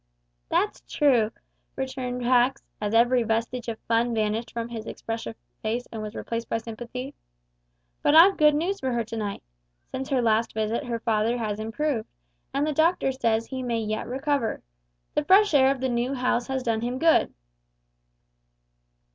"That's true," returned Pax, as every vestige of fun vanished from his expressive face and was replaced by sympathy, "but I've good news for her to night. Since her last visit her father has improved, and the doctor says he may yet recover. The fresh air of the new house has done him good."